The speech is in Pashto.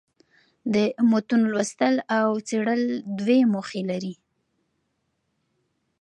د متون لوستل او څېړل دوې موخي لري.